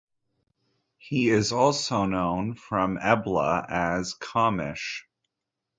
He is also known from Ebla as "Kamish".